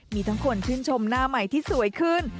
มีทั้งคนชื่นชมหน้าใหม่ที่สวยขึ้น